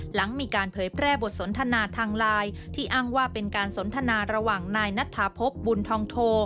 หลังมีการเผยแพร่บทสนทนาทางไลน์ที่อ้างว่าเป็นการสนทนาระหว่างนายนัทธาพบบุญทองโท